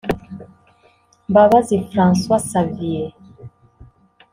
Mbabazi Francois Xavier